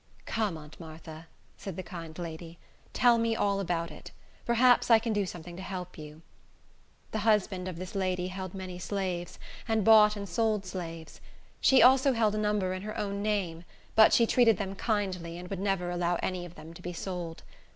"Come, Aunt Martha," said the kind lady, "tell me all about it. Perhaps I can do something to help you." The husband of this lady held many slaves, and bought and sold slaves. She also held a number in her own name; but she treated them kindly, and would never allow any of them to be sold.